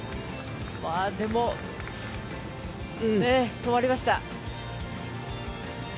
でも、止まりました。